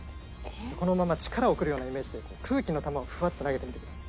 このまま力を送るようなイメージで空気の球をフワッと投げてみてください。